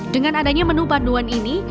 dengan adanya menu panduan ini